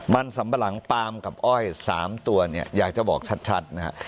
มันสำปรังปลามกับอ้อย๓ตัวอยากจะบอกชัด